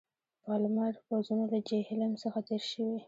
پالمر پوځونه له جیهلم څخه تېر شوي.